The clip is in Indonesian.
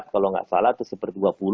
kalau tidak salah itu satu per dua puluh